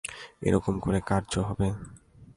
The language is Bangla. এই রকম করে কার্য হবে।